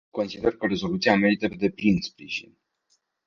Consider că rezoluția merită pe deplin sprijin.